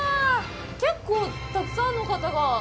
結構たくさんの方が。